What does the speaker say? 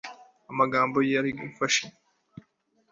amagambo magufi y'ubuzima